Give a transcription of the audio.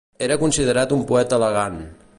Era considerat un poeta elegant.